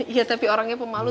iya tapi orangnya pemalu